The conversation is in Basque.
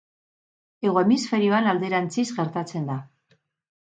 Hego Hemisferioan alderantziz gertatzen da.